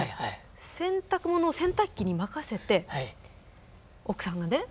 洗濯物を洗濯機に任せて奥さんがね